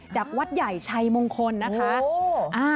จากวัดใหญ่ชัยมงคลนะคะ